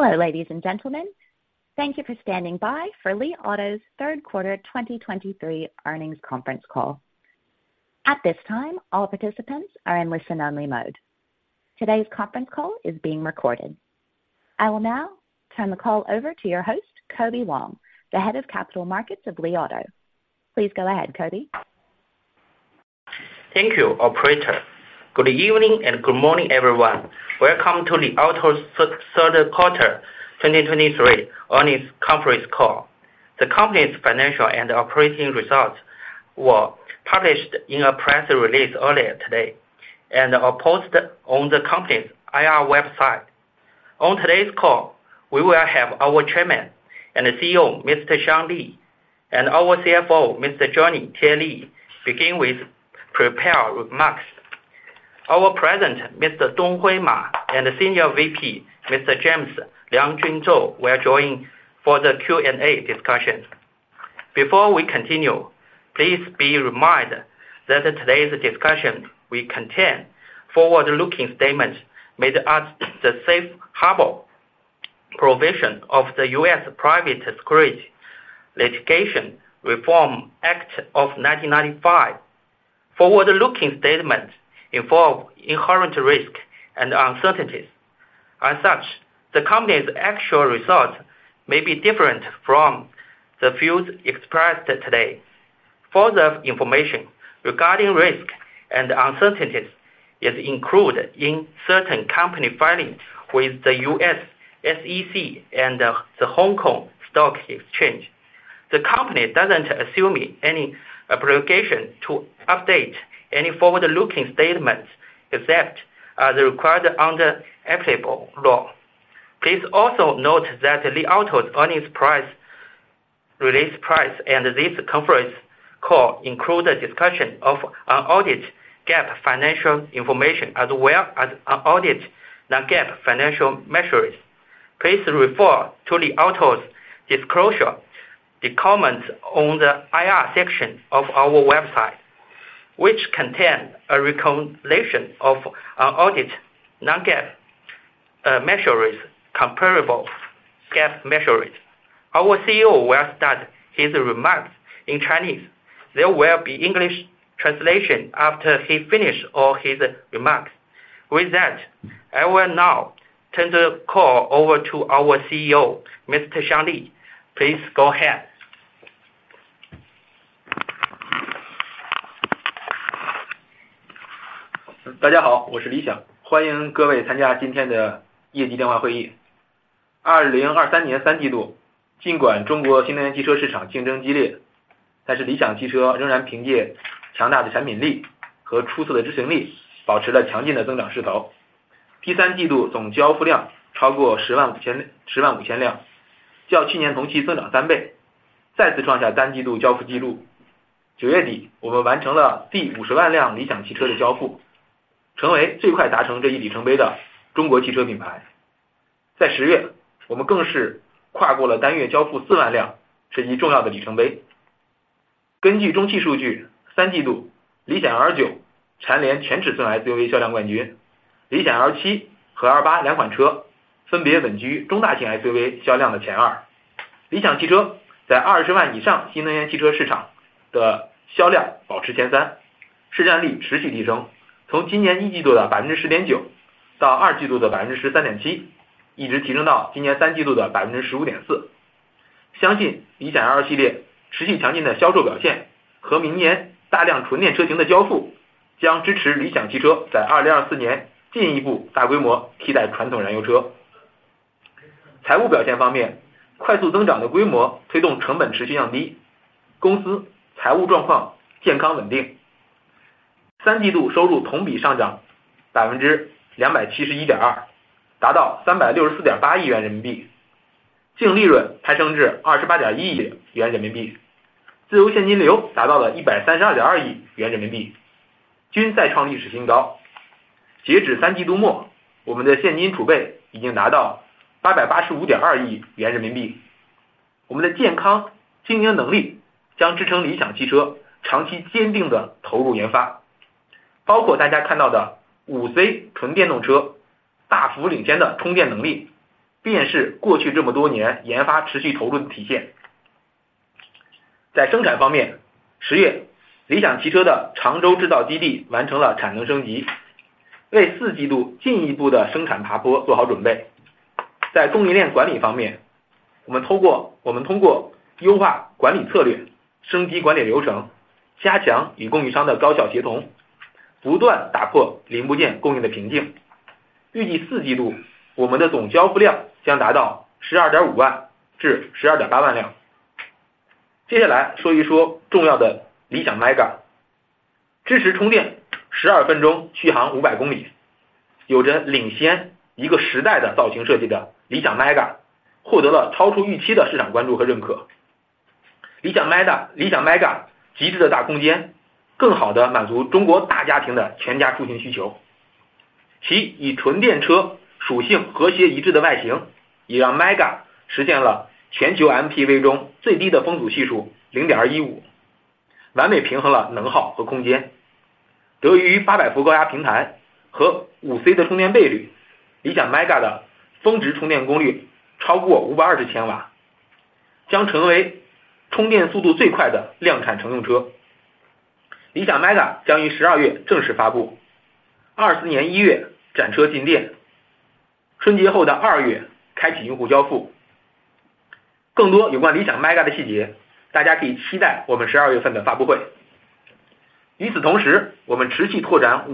Ladies and gentlemen, thank you for standing by for Li Auto's Q3 2023 Earnings Conference Call. At this time, all participants are in listen-only mode. Today's conference call is being recorded. I will now turn the call over to your host, Kobe Wang, the Head of Capital Markets of Li Auto. Please go ahead, Kobe. Thank you, operator! Good evening and good morning everyone, welcome to Li Auto's Q3 2023 earnings conference call. The company's financial and operating results were published in a press release earlier today, and are posted on the company's IR website. On today's call, we will have our Chairman and CEO, Mr. Xiang Li, and our CFO, Mr. Johnny Tie Li, begin with prepared remarks. Our president, Mr. Donghui Ma, and Senior VP, Mr. James Liangjun Zou will join for the Q&A discussion. Before we continue, please be reminded that today's discussion will contain forward-looking statements made as the safe harbor provision of the U.S. Private Securities Litigation Reform Act of 1995. Forward-looking statements involve inherent risks and uncertainties. As such, the company's actual results may be different from the views expressed today. Further information regarding risks and uncertainties is included in certain company filings with the U.S. SEC and the Hong Kong Stock Exchange. The company doesn't assume any obligation to update any forward-looking statements except as required under applicable law. Please also note that Li Auto's earnings release and this conference call include a discussion of unaudited GAAP financial information, as well as unaudited non-GAAP financial measures. Please refer to Li Auto's disclosures and comments on the IR section of our website, which contain a reconciliation of unaudited non-GAAP measures comparable GAAP measures. Our CEO will start his remarks in Chinese. There will be English translation after he finished all his remarks. With that, I will now turn the call over to our CEO, Mr. Xiang Li. Please go ahead. It perfectly balances energy consumption and space. Benefiting from the 800-volt Platform and 5C charging rate, the Li MEGA's peak charging power exceeds 520 kW, making it the fastest-charging mass-produced passenger vehicle. The Li MEGA will be officially released in December, with show cars entering stores in January 2024, and user deliveries starting in February after the Spring Festival. For more details about the Li MEGA, everyone can look forward to our December launch event. At the same time, we continue to expand the construction of the 5C high-voltage charging network. As of now, Li Auto has built and operated 130 Li Auto supercharging stations along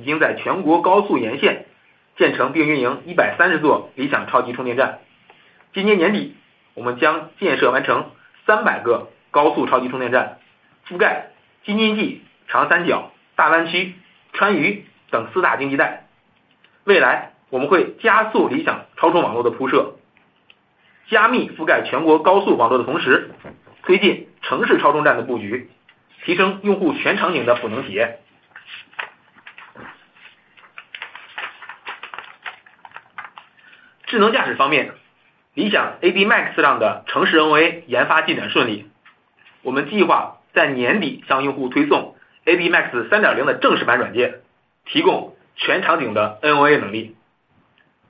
national highways. By the end of this year, we will complete the construction of 300 highway supercharging stations, covering the Beijing-Tianjin-Hebei, Yangtze River Delta, Greater Bay Area, Sichuan-Chongqing and other four major economic zones. In the future, we will accelerate the deployment of the Li Auto supercharging network, while densely covering the national highway network, we will promote the layout of urban supercharging stations to enhance users' full-scenario recharging experience. In terms of intelligent driving, the R&D progress of City NOA on AD Max is smooth, and we plan to push the official version of AD Max 3.0 software to users by the end of the year, providing full-scenario NOA capability.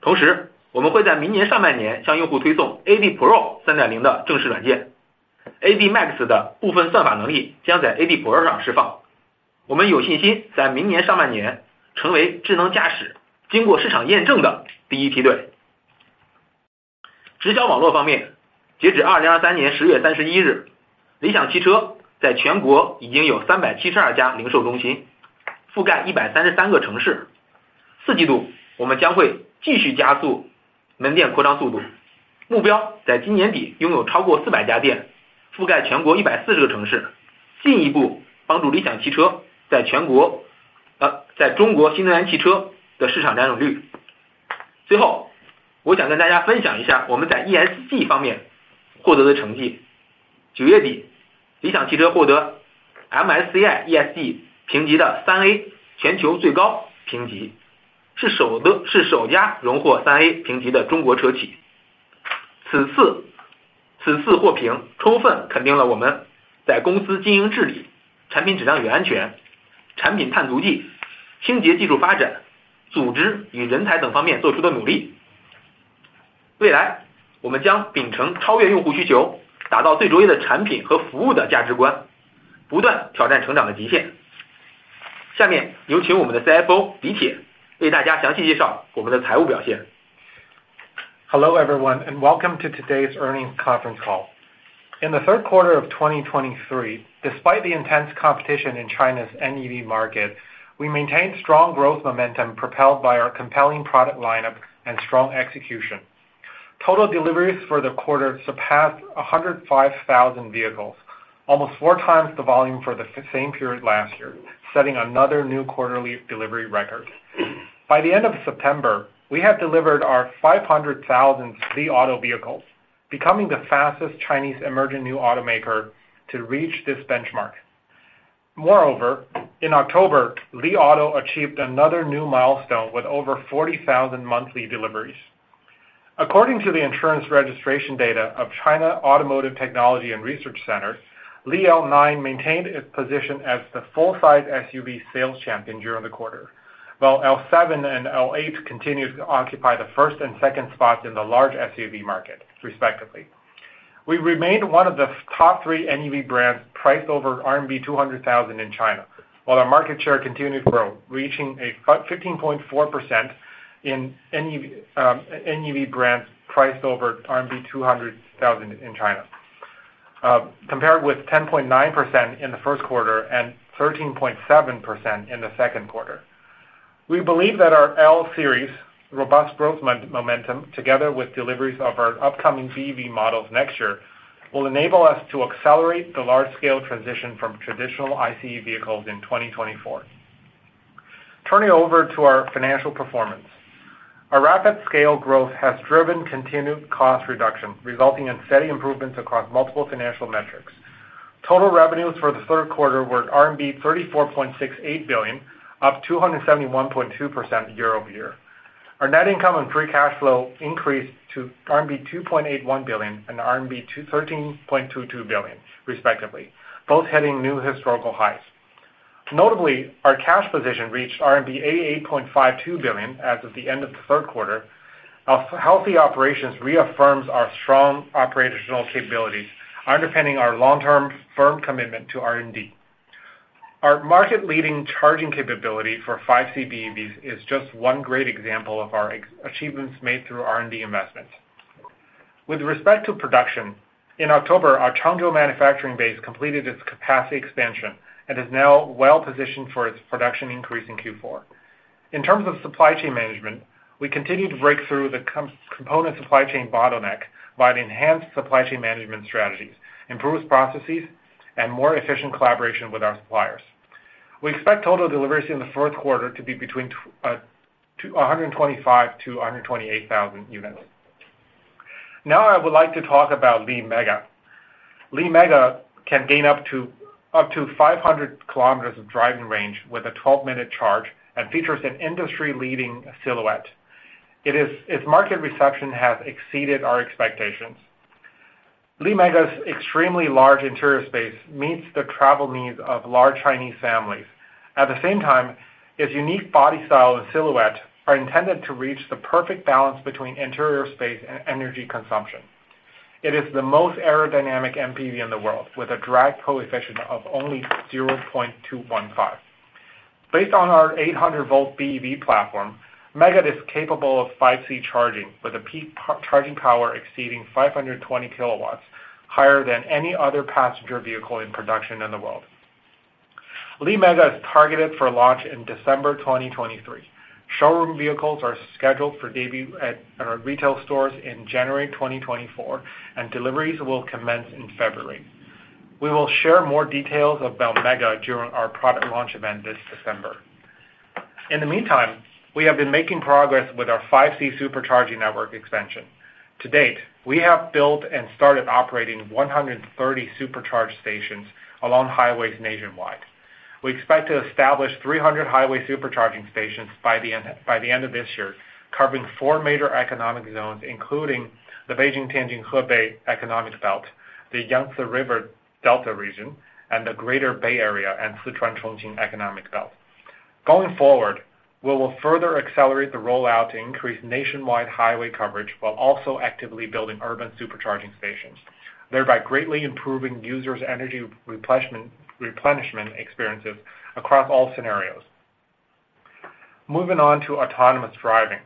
At the same time, we will push the official software of AD Pro 3.0 to users in the first half of next year, and some algorithm capabilities of AD Max will be released on AD Pro. We are confident to become the first tier of intelligent driving that has been market-validated in the first half of next year. In terms of the direct sales network, as of October 31, 2023, Li Auto has 372 retail centers nationwide, covering 133 cities. In the Q4, we will continue to accelerate the speed of store expansion, with the goal of having more than 400 stores by the end of this year, covering 140 cities nationwide, further helping Li Auto's market share in China's new energy vehicle market. Finally, I want to share with everyone our achievements in ESG. At the end of September, Li Auto received an AAA rating from MSCI ESG, the global highest rating, the first, the first Chinese car company to receive an AAA rating. This rating fully affirms our efforts in corporate governance, product quality and safety, product carbon footprint, clean technology development, organization and talent, and other aspects. In the future, we will adhere to the values of exceeding user needs and creating the most excellent products and services, and continuously challenge the limits of growth. Next, please welcome our CFO Tie Li to introduce our financial performance in detail. Hello, everyone, and welcome to today's earnings conference call. In the Q3 of 2023, despite the intense competition in China's NEV market, we maintained strong growth momentum propelled by our compelling product lineup and strong execution. Total deliveries for the quarter surpassed 105,000 vehicles, almost four times the volume for the same period last year, setting another new quarterly delivery record. By the end of September, we have delivered our 500,000 Li Auto vehicles, becoming the fastest Chinese emerging new automaker to reach this benchmark. Moreover, in October, Li Auto achieved another new milestone with over 40,000 monthly deliveries. According to the insurance registration data of China Automotive Technology and Research Center, Li L9 maintained its position as the full-size SUV sales champion during the quarter, while L7 and L8 continued to occupy the first and second spots in the large SUV market, respectively. We remained one of the top three NEV brands priced over RMB 200,000 in China, while our market share continued to grow, reaching 15.4% in NEV brands priced over RMB 200,000 in China, compared with 10.9% in the Q1 and 13.7% in the Q3. We believe that our L Series robust growth momentum, together with deliveries of our upcoming BEV models next year, will enable us to accelerate the large-scale transition from traditional ICE vehicles in 2024. Turning over to our financial performance, our rapid scale growth has driven continued cost reduction, resulting in steady improvements across multiple financial metrics. Total revenues for the Q3 were RMB 34.68 billion, up 271.2% year-over-year. Our net income and free cash flow increased to RMB 2.81 billion and RMB 21.32 billion, respectively, both hitting new historical highs. Notably, our cash position reached RMB 88.52 billion as of the end of the Q3. Our healthy operations reaffirms our strong operational capabilities, underpinning our long-term firm commitment to R&D. Our market-leading charging capability for 5C BEVs is just one great example of our exemplary achievements made through R&D investments. With respect to production, in October, our Changzhou manufacturing base completed its capacity expansion and is now well positioned for its production increase in Q4. In terms of supply chain management, we continue to break through the component supply chain bottleneck by enhanced supply chain management strategies, improved processes, and more efficient collaboration with our suppliers. We expect total deliveries in the Q4 to be between 125,000-128,000 units. Now, I would like to talk about Li MEGA. Li MEGA can gain up to 500 kilometers of driving range with a 12-minute charge, and features an industry-leading silhouette. Its market reception has exceeded our expectations. Li MEGA's extremely large interior space meets the travel needs of large Chinese families. At the same time, its unique body style and silhouette are intended to reach the perfect balance between interior space and energy consumption. It is the most aerodynamic MPV in the world, with a drag coefficient of only 0.215. Based on our 800-volt BEV platform, Li MEGA is capable of 5C charging, with a peak charging power exceeding 520 kilowatts, higher than any other passenger vehicle in production in the world. Li MEGA is targeted for launch in December 2023. Showroom vehicles are scheduled for debut at our retail stores in January 2024, and deliveries will commence in February. We will share more details about Li MEGA during our product launch event this December. In the meantime, we have been making progress with our 5C supercharging network expansion. To date, we have built and started operating 130 supercharging stations along highways nationwide. We expect to establish 300 highway supercharging stations by the end of this year, covering four major economic zones, including the Beijing-Tianjin-Hebei economic belt, the Yangtze River Delta region, and the Greater Bay Area, and Sichuan-Chongqing economic belt. Going forward, we will further accelerate the rollout to increase nationwide highway coverage, while also actively building urban supercharging stations, thereby greatly improving users' energy replenishment experiences across all scenarios. Moving on to autonomous driving.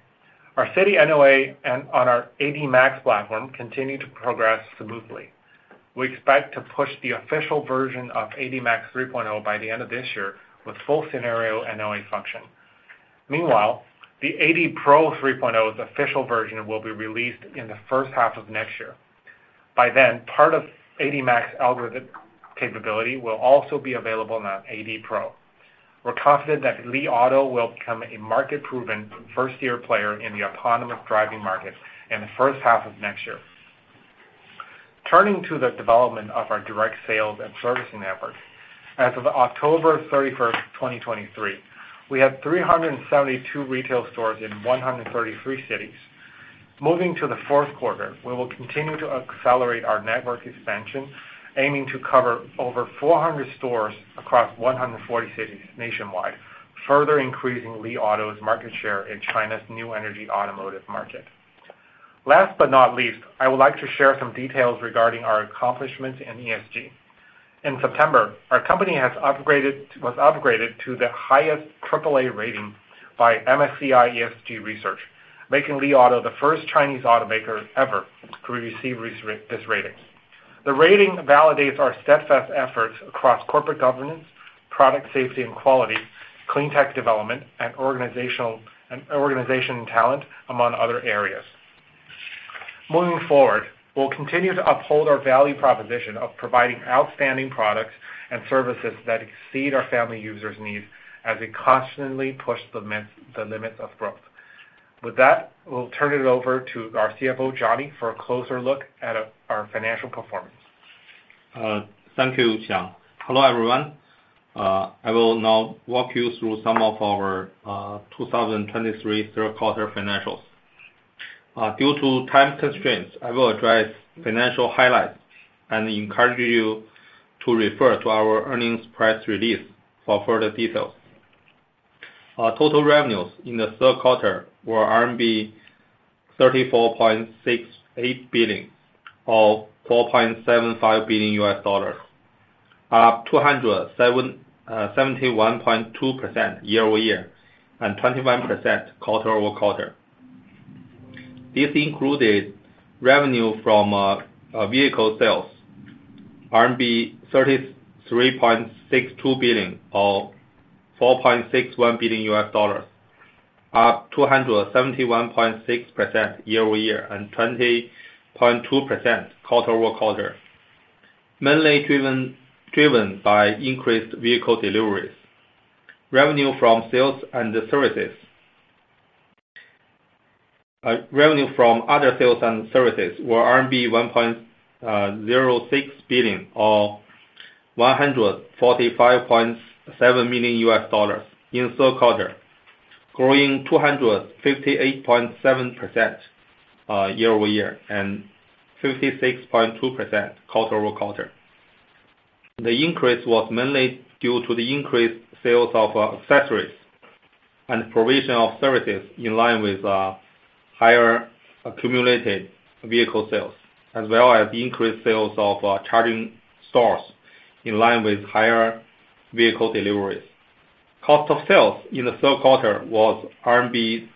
Our City NOA and on our AD Max platform continue to progress smoothly. We expect to push the official version of AD Max 3.0 by the end of this year, with full-scenario NOA function. Meanwhile, the AD Pro 3.0's official version will be released in the first half of next year. By then, part of AD Max algorithm capability will also be available on AD Pro. We're confident that Li Auto will become a market-proven first-year player in the autonomous driving market in the first half of next year. Turning to the development of our direct sales and servicing network. As of October 31, 2023, we had 372 retail stores in 133 cities. Moving to the Q4, we will continue to accelerate our network expansion, aiming to cover over 400 stores across 140 cities nationwide, further increasing Li Auto's market share in China's new energy automotive market. Last but not least, I would like to share some details regarding our accomplishments in ESG. In September, our company was upgraded to the highest triple AAA rating by MSCI ESG research, making Li Auto the first Chinese automaker ever to receive this rating. The rating validates our steadfast efforts across corporate governance, product safety and quality, clean tech development, and organization and talent, among other areas. Moving forward, we'll continue to uphold our value proposition of providing outstanding products and services that exceed our family users' needs, as we constantly push the limits of growth. With that, we'll turn it over to our CFO, Johnny, for a closer look at our financial performance. Thank you, Xiang. Hello, everyone. I will now walk you through some of our 2023 Q3 financials. Due to time constraints, I will address financial highlights and encourage you to refer to our earnings press release for further details. Our total revenues in the Q3 were RMB 34.68 billion, or $4.75 billion, up 271.2% year-over-year, and 21% quarter-over-quarter. This included revenue from vehicle sales, RMB 33.62 billion, or $4.61 billion, up 271.6% year-over-year, and 20.2% quarter-over-quarter. Mainly driven by increased vehicle deliveries. Revenue from sales and services—revenue from other sales and services were 1.06 billion, or $145.7 million in Q3, growing 258.7% year-over-year and 56.2% quarter-over-quarter. The increase was mainly due to the increased sales of accessories and provision of services in line with higher accumulated vehicle sales, as well as increased sales of charging stores in line with higher vehicle deliveries. Cost of sales in the Q3 was RMB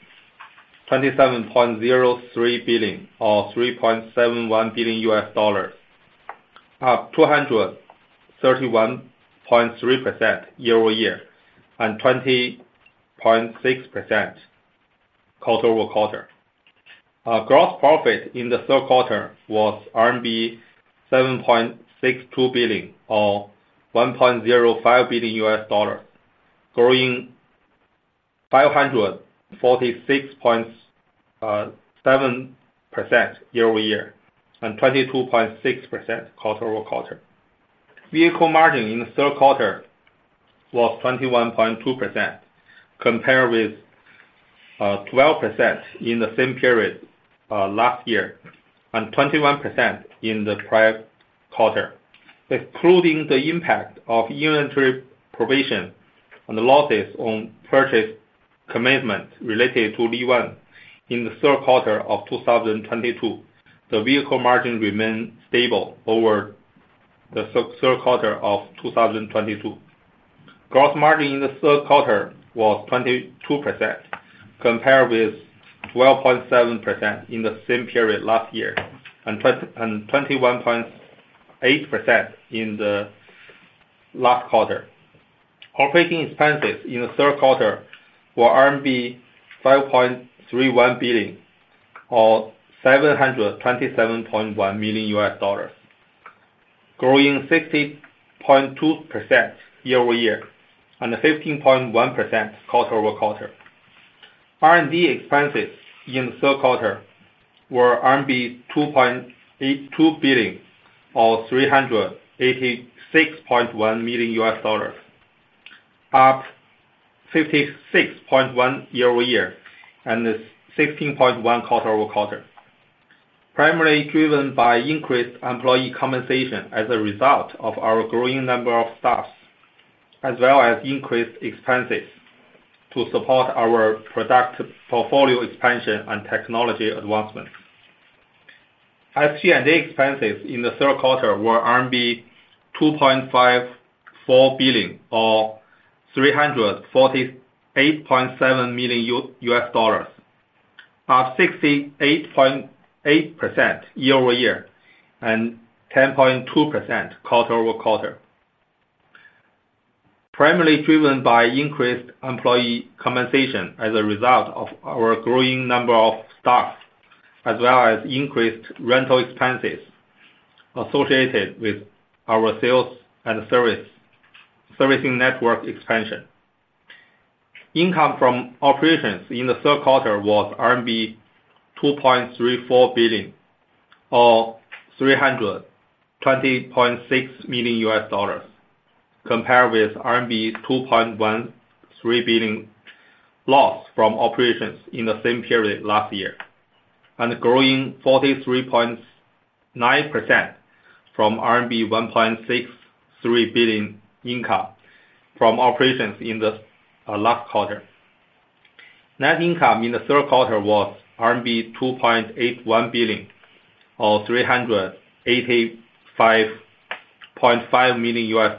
27.03 billion, or $3.71 billion, up 231.3% year-over-year and 20.6% quarter-over-quarter. Our gross profit in the Q3 was RMB 7.62 billion, or $1.05 billion, growing 546.7% year-over-year, and 22.6% quarter-over-quarter. Vehicle margin in the Q3 was 21.2%, compared with 12% in the same period last year, and 21% in the prior quarter. Excluding the impact of inventory provision and the losses on purchase commitments related to Li One in the Q3 of 2022, the vehicle margin remained stable over the Q3 of 2022. Gross margin in the Q3 was 22%, compared with 12.7% in the same period last year, and 21.8% in the last quarter. Operating expenses in the Q3 were RMB 5.31 billion, or $727.1 million, growing 60.2% year-over-year and 15.1% quarter-over-quarter. R&D expenses in the Q3 were RMB 2.82 billion or $386.1 million, up 56.1% year-over-year, and it's 16.1% quarter-over-quarter. Primarily driven by increased employee compensation as a result of our growing number of staffs, as well as increased expenses to support our product portfolio expansion and technology advancement. SG&A expenses in the Q3 were RMB 2.54 billion or $348.7 million, up 68.8% year-over-year and 10.2% quarter-over-quarter. Primarily driven by increased employee compensation as a result of our growing number of staff, as well as increased rental expenses associated with our sales and service, servicing network expansion. Income from operations in the Q3 was RMB 2.34 billion or $320.6 million, compared with RMB 2.13 billion loss from operations in the same period last year, and growing 43.9% from RMB 1.63 billion income from operations in the last quarter. Net income in the Q3 was RMB 2.81 billion, or $385.5 million,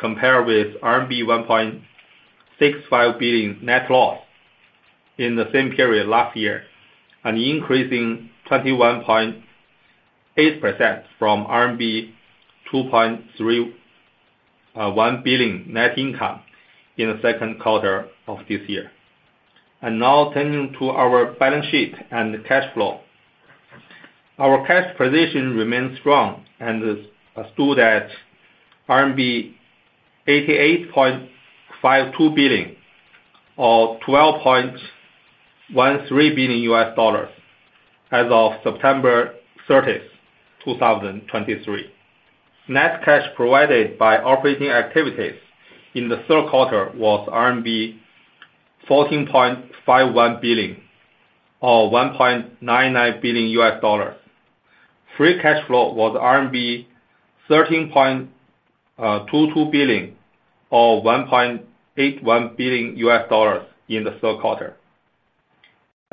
compared with RMB 1.65 billion net loss in the same period last year, and increasing 21.8% from RMB 2.31 billion net income in the Q3 of this year. Now turning to our balance sheet and cash flow. Our cash position remains strong and stood at CNY 88.52 billion or $12.13 billion as of September 30, 2023. Net cash provided by operating activities in the Q3 was RMB 14.51 billion or $1.99 billion. Free cash flow was RMB 13.22 billion, or $1.81 billion in the Q3.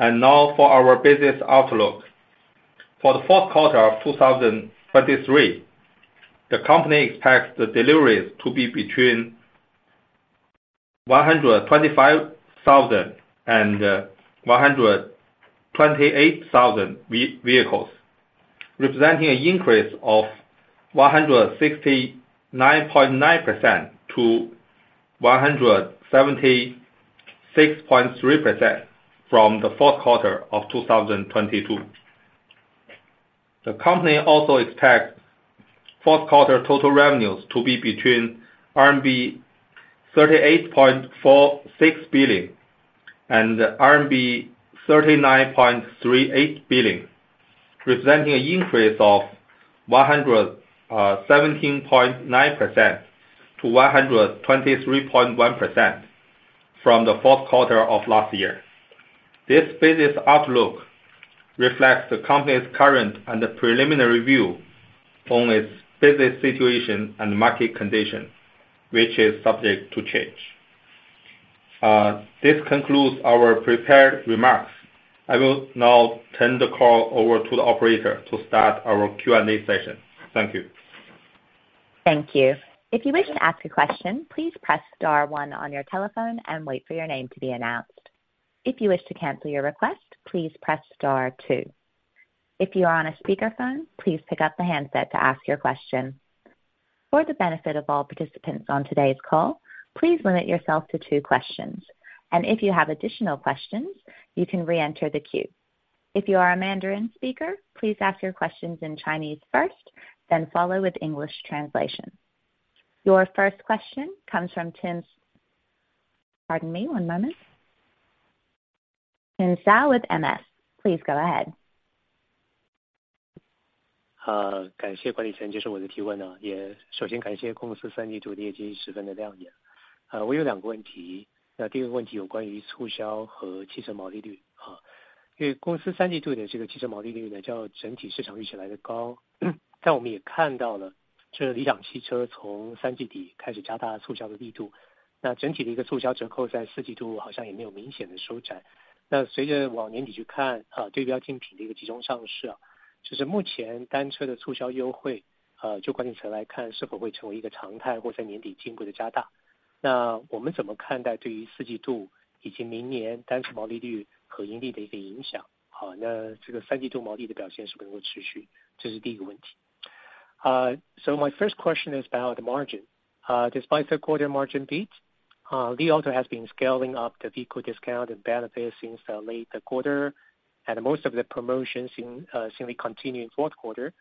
Now for our business outlook. For the Q4 of 2023, the company expects the deliveries to be between 125,000 and 128,000 vehicles, representing an increase of 169.9%-176.3% from the Q4 of 2022. The company also expects Q4 total revenues to be between RMB 38.46 billion and RMB 39.38 billion, representing an increase of 117.9%-123.1% from the Q4 of last year. This business outlook reflects the company's current and preliminary view on its business situation and market conditions, which is subject to change. This concludes our prepared remarks. I will now turn the call over to the operator to start our Q&A session. Thank you. Thank you. If you wish to ask a question, please press star one on your telephone and wait for your name to be announced. If you wish to cancel your request, please press star two. If you are on a speakerphone, please pick up the handset to ask your question. For the benefit of all participants on today's call, please limit yourself to two questions, and if you have additional questions, you can reenter the queue. If you are a Mandarin speaker, please ask your questions in Chinese first, then follow with English translation. Your first question comes from Tim. Pardon me, one moment. Tim Hsiao with MS, please go ahead. So my first question is about the margin, despite the quarter margin beat, Li Auto has been scaling up the vehicle discount and benefits since the late the quarter, and most of the promotions seemingly continue in Q4.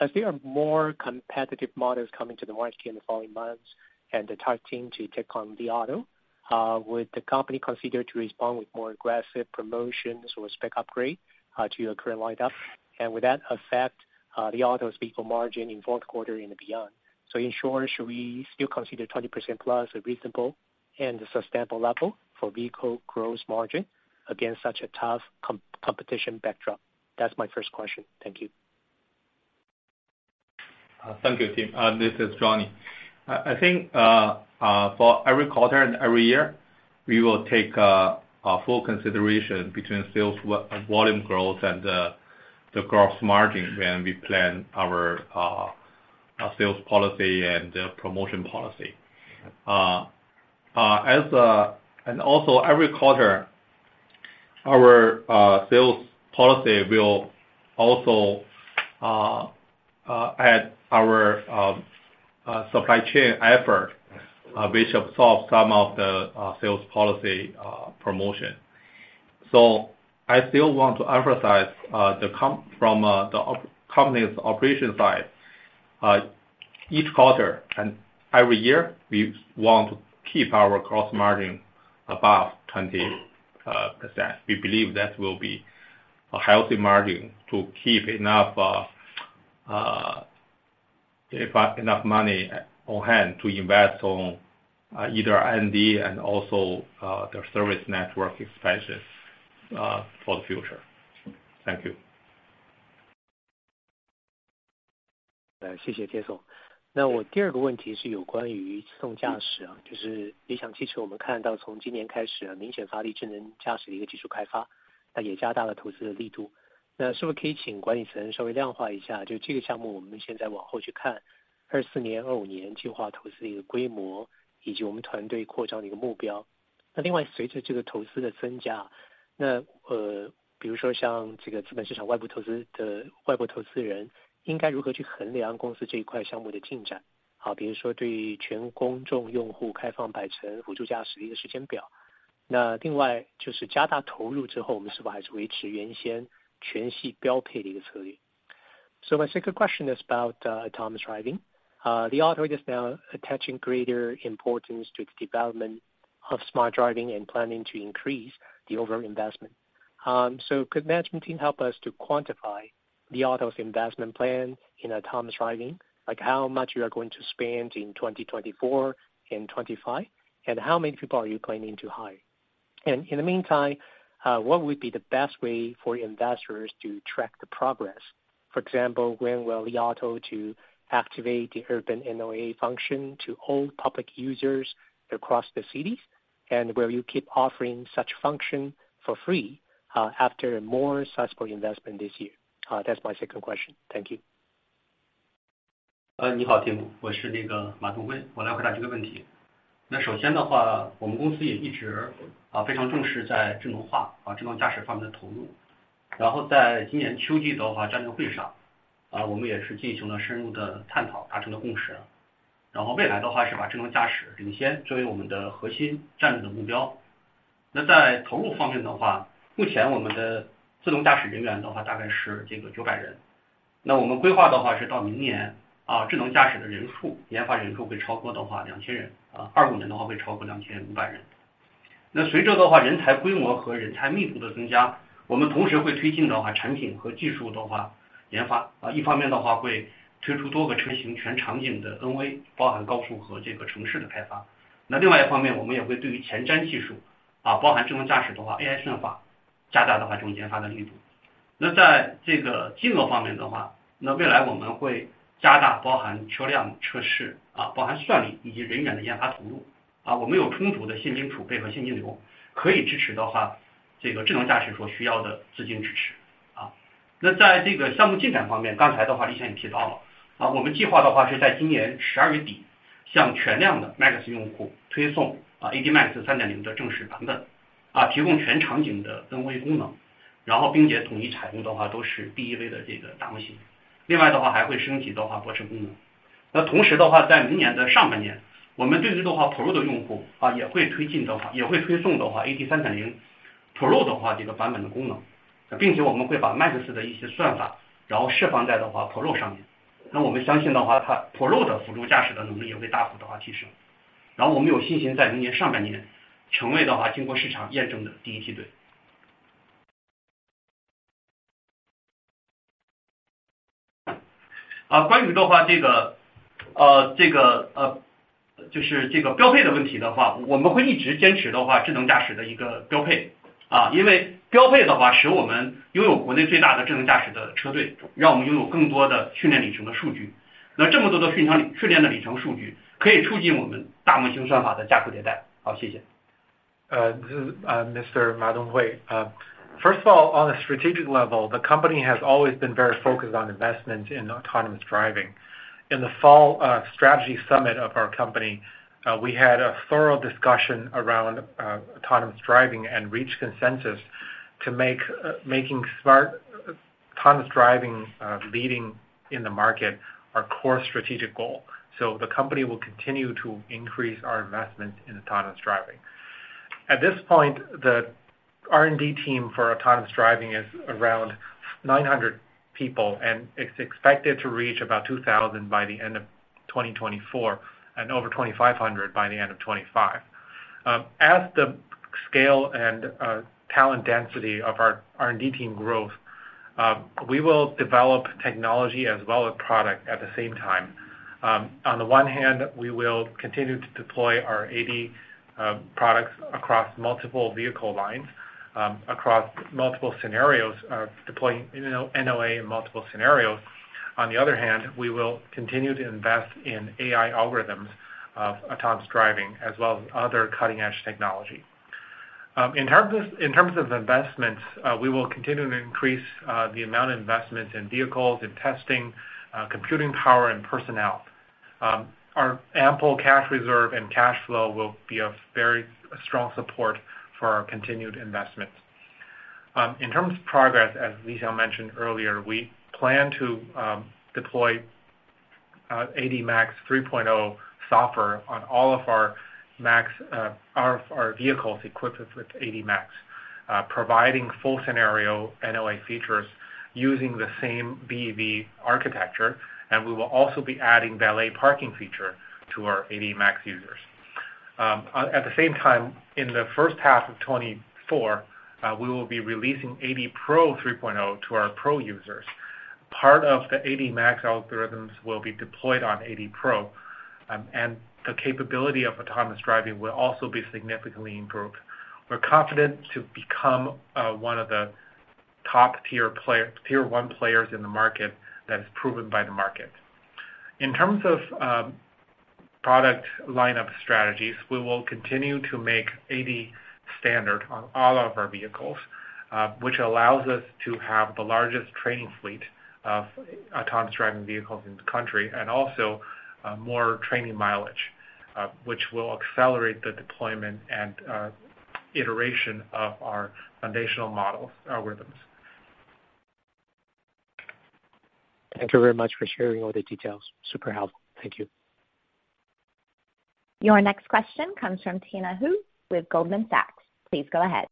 As there are more competitive models coming to the market in the following months and the top team to take on the Li Auto, would the company consider to respond with more aggressive promotions or spec upgrade to your current lineup? And would that affect, the Li Auto's vehicle margin in Q4 and beyond? So in short, should we still consider 20%+ a reasonable and sustainable level for vehicle gross margin against such a tough competition backdrop? That's my first question. Thank you. Thank you, Tim, this is Johnny. I think, for every quarter and every year, we will take a full consideration between sales volume growth and the gross margin when we plan our sales policy and promotion policy. And also every quarter, our sales policy will also at our supply chain effort, which absorb some of the sales policy promotion. So I still want to emphasize the from the company's operation side, each quarter and every year, we want to keep our gross margin above 20%. We believe that will be a healthy margin to keep enough money on hand to invest on either R&D and also the service network expansion for the future. Thank you. Thank you, Jason. So my second question is about autonomous driving. Li Auto is now attaching greater importance to the development of smart driving and planning to increase the overall investment. So could the management team help us to quantify Li Auto's investment plan in autonomous driving? Like how much you are going to spend in 2024 and 2025, and how many people are you planning to hire? And in the meantime, what would be the best way for investors to track the progress? For example, when will Li Auto activate the City NOA function to all public users across the cities, and will you keep offering such function for free after more sizable investment this year? That's my second question. Thank you. Hello, Tim. I am Donghui Ma. I will answer this question. believe that its Pro assisted driving capability will also improve significantly. Then we have confidence in becoming, after market verification, the first echelon in the first half of next year. Regarding this standard configuration issue, we will always adhere to intelligent driving as a standard configuration. Because standard configuration allows us to have the largest intelligent driving fleet in the country, letting us have more training mileage data. So much training mileage data can promote the iterations of our large model algorithms. Okay, thank you. Donghui Ma. First of all, on the strategic level, the company has always been very focused on investment in autonomous driving. In the fall, strategy summit of our company, we had a thorough discussion around autonomous driving and reach consensus to make making smart autonomous driving leading in the market our core strategic goal. So the company will continue to increase our investment in autonomous driving. At this point, the R&D team for autonomous driving is around 900 people, and it's expected to reach about 2,000 by the end of 2024, and over 2,500 by the end of 2025. As the scale and talent density of our R&D team growth, we will develop technology as well as product at the same time. On the one hand, we will continue to deploy our AD products across multiple vehicle lines, across multiple scenarios, deploying NOA in multiple scenarios. On the other hand, we will continue to invest in AI algorithms of autonomous driving as well as other cutting-edge technology. In terms of investments, we will continue to increase the amount of investments in vehicles, in testing, computing power and personnel. Our ample cash reserve and cash flow will be a very strong support for our continued investments. In terms of progress, as Xiang Li mentioned earlier, we plan to deploy AD Max 3.0 software on all of our Max, our vehicles equipped with AD Max, providing full-scenario NOA features using the same BEV architecture, and we will also be adding valet parking feature to our AD Max users. At the same time, in the first half of 2024, we will be releasing AD Pro 3.0 to our Pro users. Part of the AD Max algorithms will be deployed on AD Pro, and the capability of autonomous driving will also be significantly improved. We're confident to become one of the top tier player, tier-one players in the market that is proven by the market. In terms of product lineup strategies, we will continue to make AD standard on all of our vehicles, which allows us to have the largest training fleet of autonomous driving vehicles in the country, and also more training mileage, which will accelerate the deployment and iteration of our foundational model algorithms. Thank you very much for sharing all the details. Super helpful. Thank you. Your next question comes from Tina Hou with Goldman Sachs. Please go ahead.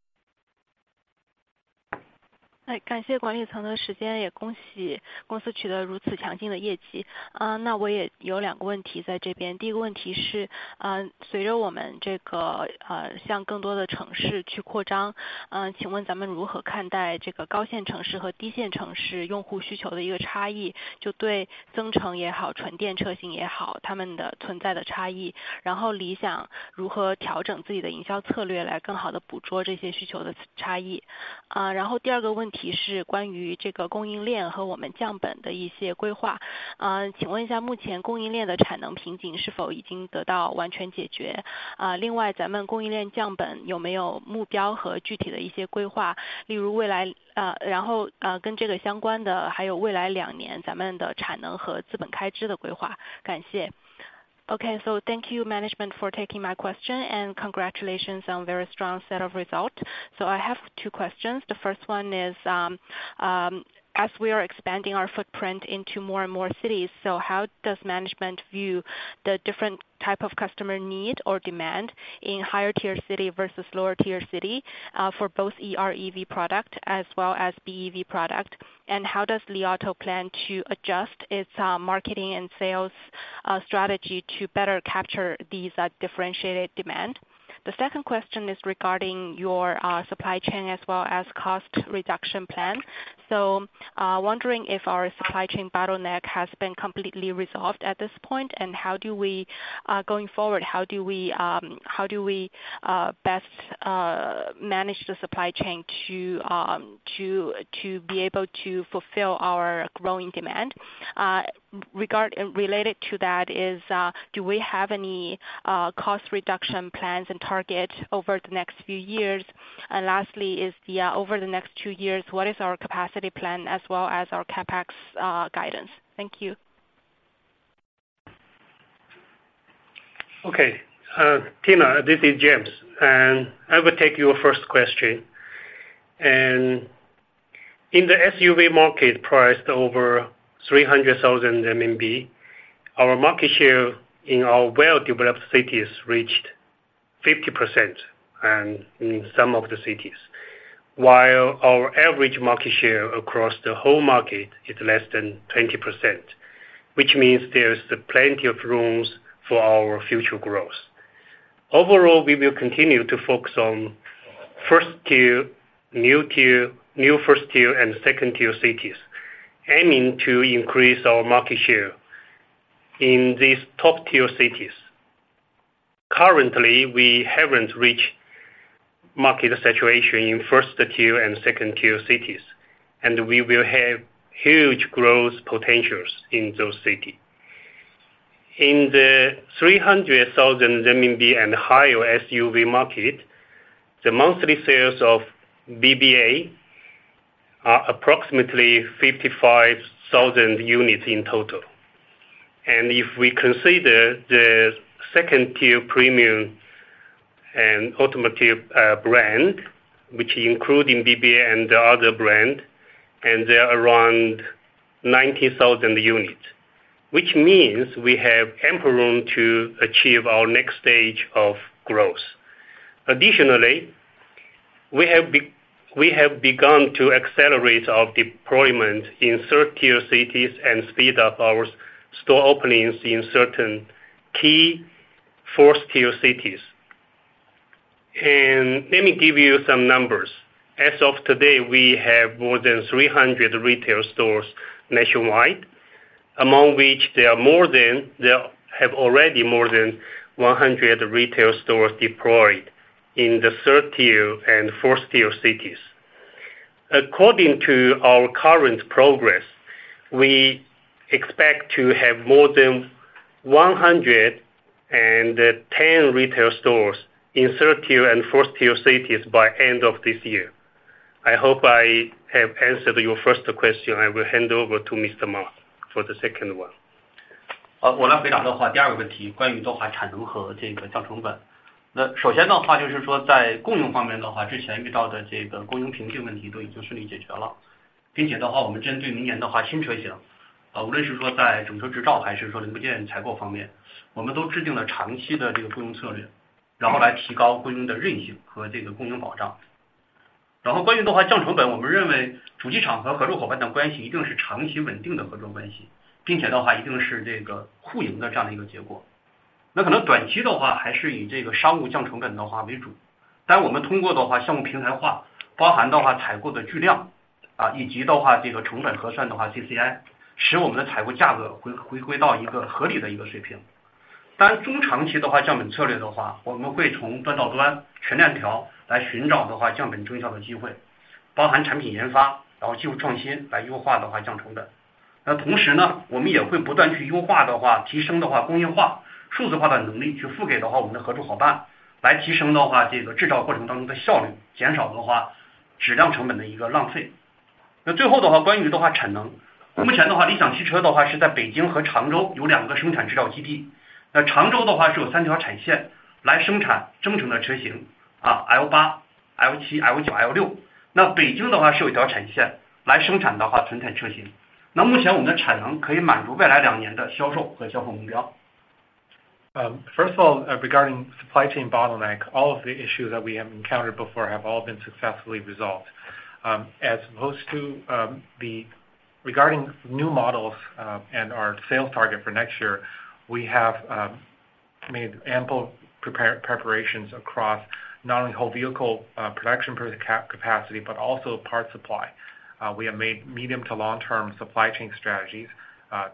as we are expanding our footprint into more and more cities, so how does management view the different type of customer need or demand in higher tier city versus lower tier city, for both EREV product as well as BEV product? And how does Li Auto plan to adjust its, marketing and sales, strategy to better capture these, differentiated demand? The second question is regarding your supply chain as well as cost reduction plan. So, wondering if our supply chain bottleneck has been completely resolved at this point, and how do we, going forward, how do we best manage the supply chain to, to be able to fulfill our growing demand? Related to that is, do we have any cost reduction plans and targets over the next few years? And lastly, over the next two years, what is our capacity plan as well as our CapEx guidance? Thank you. Okay, Tina, this is James, and I will take your first question. And In the SUV market, priced over 300,000 RMB, our market share in our well-developed cities reached 50%, and in some of the cities. While our average market share across the whole market is less than 20%, which means there is plenty of rooms for our future growth. Overall, we will continue to focus on first tier, new tier, new first tier, and second tier cities, aiming to increase our market share in these top-tier cities. Currently, we haven't reached market saturation in first-tier and second-tier cities, and we will have huge growth potentials in those cities. In the 300,000 renminbi and higher SUV market, the monthly sales of BBA are approximately 55,000 units in total. And if we consider the second-tier premium and automotive, brand, which including BBA and the other brand, and they are around 90,000 units. Which means we have ample room to achieve our next stage of growth. Additionally, we have begun to accelerate our deployment in third-tier cities and speed up our store openings in certain key fourth-tier cities. Let me give you some numbers. As of today, we have more than 300 retail stores nationwide, among which there have already more than 100 retail stores deployed in the third-tier and fourth-tier cities. According to our current progress, we expect to have more than 110 retail stores in third-tier and fourth-tier cities by end of this year. I hope I have answered your first question. I will hand over to Mr. Ma for the second one. Uh, first of all, regarding supply chain bottleneck, all of the issues that we have encountered before have all been successfully resolved. As opposed to, regarding new models and our sales target for next year, we have made ample preparations across not only whole vehicle production capacity, but also part supply. We have made medium to long-term supply chain strategies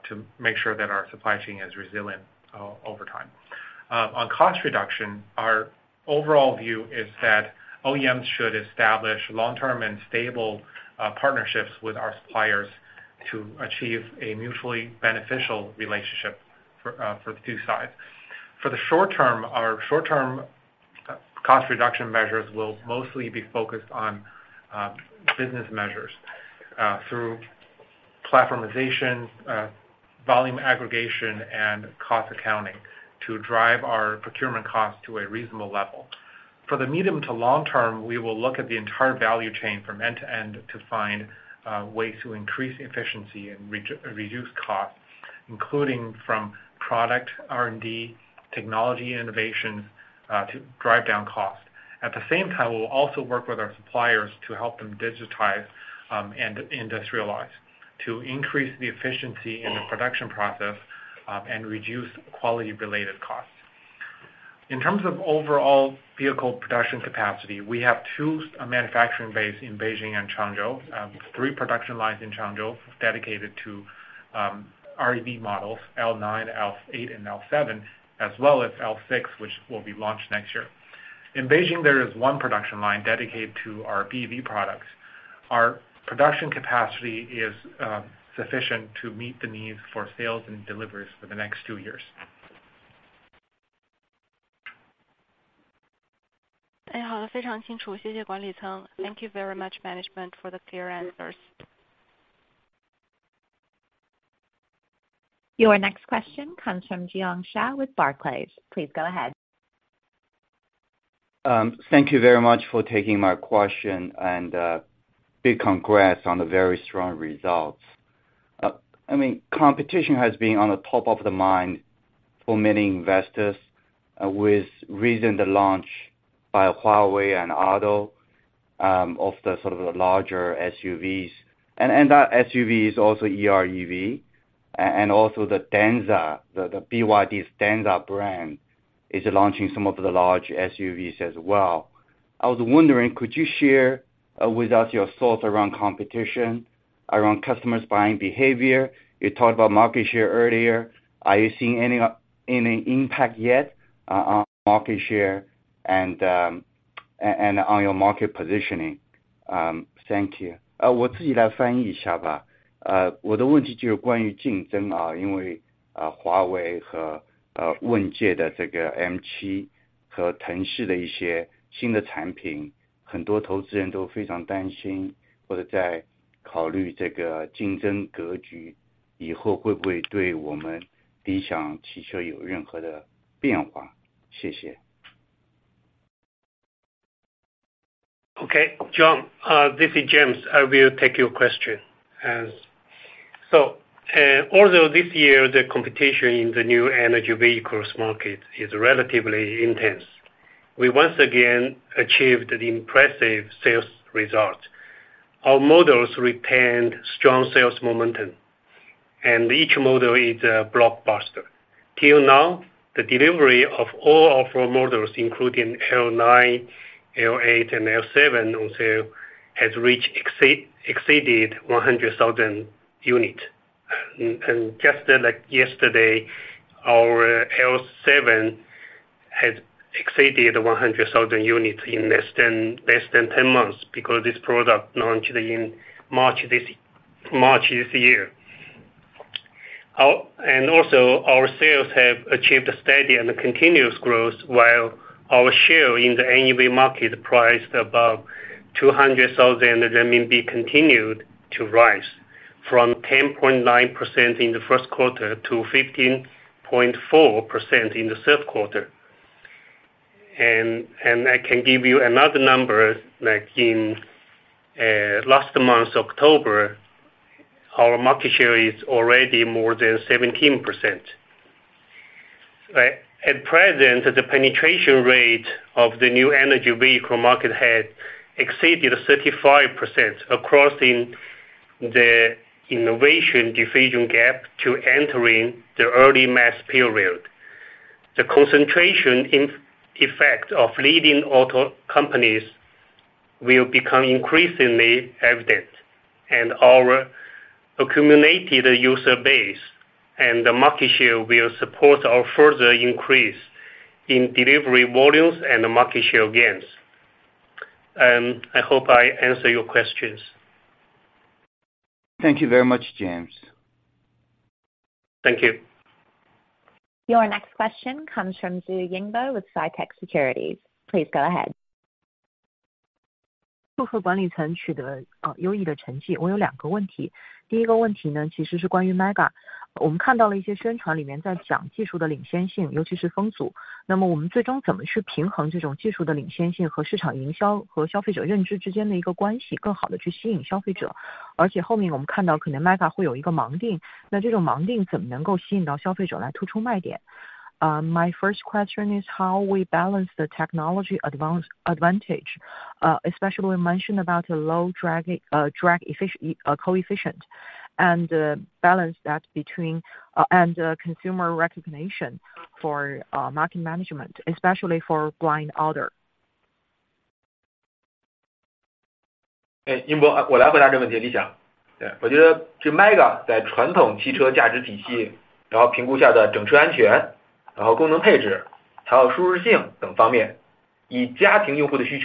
to make sure that our supply chain is resilient over time. On cost reduction, our overall view is that OEMs should establish long-term and stable partnerships with our suppliers to achieve a mutually beneficial relationship for the two sides. For the short term, our short-term cost reduction measures will mostly be focused on business measures through platformization, volume aggregation and cost accounting to drive our procurement costs to a reasonable level. For the medium to long term, we will look at the entire value chain from end to end to find ways to increase efficiency and reduce costs, including from product R&D, technology innovation to drive down costs. At the same time, we will also work with our suppliers to help them digitize and industrialize, to increase the efficiency in the production process and reduce quality-related costs. In terms of overall vehicle production capacity, we have two manufacturing base in Beijing and Changzhou, three production lines in Changzhou dedicated to EREV models: L9, L8, and L7, as well as L6, which will be launched next year. In Beijing, there is one production line dedicated to our BEV products. Our production capacity is sufficient to meet the needs for sales and deliveries for the next two years. Hello, good morning. Thank you very much, management, for the clear answers. Your next question comes from Jiong Shao with Barclays. Please go ahead. Thank you very much for taking my question, and big congrats on the very strong results. I mean, competition has been on the top of the mind for many investors, with reason the launch by Huawei AITO of the sort of the larger SUVs, and that SUVs also EREV, and also the Denza, the BYD DENZA brand is launching some of the large SUVs as well. I was wondering, could you share with us your thoughts around competition, around customers buying behavior? You talked about market share earlier. Are you seeing any impact yet on market share and, and on your market positioning? Thank you. 我自己来翻译一下吧。我的问题就是关于竞争啊，因为，华为和，问界的这个M7和腾讯的一些新的产品，很多投资人都非常担心或者在考虑这个竞争格局以后会不会对我们理想汽车有任何的变化？谢谢。John, this is James. I will take your question. So although this year the competition in the new energy vehicles market is relatively intense, we once again achieved the impressive sales results. Our models retained strong sales momentum, and each model is a blockbuster. Till now, the delivery of all of four models, including L9, L8 and L7, also has exceeded 100,000 units. And just like yesterday, our L7 has exceeded 100,000 units in less than 10 months, because this product launched in March this year. Our... And also our sales have achieved a steady and continuous growth while our share in the NEV market priced above 200,000 renminbi continued to rise from 10.9% in the Q1 to 15.4% in the Q3. And I can give you another number, like in last month October, our market share is already more than 17%. At present, the penetration rate of the new energy vehicle market had exceeded 35% across in the innovation diffusion gap to entering the early mass period. The concentration in effect of leading auto companies will become increasingly evident, and our accumulated user base and the market share will support our further increase in delivery volumes and market share gains. And I hope I answer your questions. Thank you very much, James. Thank you。Your next question comes from Yingbo Xu with CITIC Securities. Please go ahead. 祝贺管理层取得，呃，优异的成绩。我有两个问题，第一个问题呢，其实是关于MEGA，我们看到了一些宣传里面在讲技术的领先性，尤其是风阻，那么我们最终怎么去平衡这种技术的领先性和市场营销和消费者认知之间的一个关系，更好地去吸引消费者？而且后面我们看到可能MEGA会有一个盲订，那这种盲订怎么能够吸引到消费者来突出卖点？My first question is how we balance the technological advantage, especially we mentioned about the low drag coefficient and balance that between... Consumer recognition for market management, especially for blind order. 哎，英博，我来回答这个问题，理想。对，我觉得这Mega在传统汽车价值体系，然后评估下的整车安全，然后功能配置，还有舒适性等方面，以家庭用户的需 ...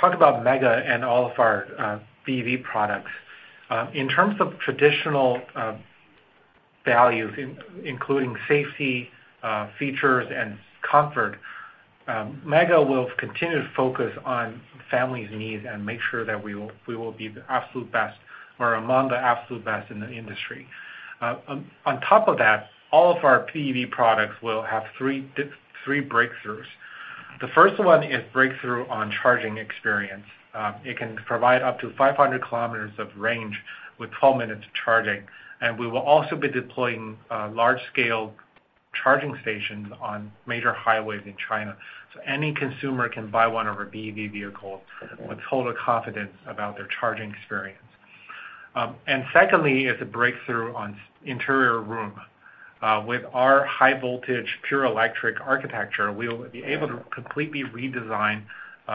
talk about MEGA and all of our BEV products. In terms of traditional values, including safety features and comfort, MEGA will continue to focus on family's needs and make sure that we will be the absolute best or among the absolute best in the industry. On top of that, all of our BEV products will have three breakthroughs. The first one is breakthrough on charging experience. It can provide up to 500 kilometers of range with 12 minutes of charging, and we will also be deploying large-scale charging stations on major highways in China, so any consumer can buy one of our BEV vehicles with total confidence about their charging experience. And secondly, is a breakthrough on interior room. With our high-voltage, pure electric architecture, we will be able to completely redesign